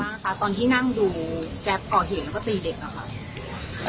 ทิ้งให้การว่ายังไงบ้างตอนที่นั่งดูแจ๊บก่อเหตุแล้วก็ตีเด็กนะครับ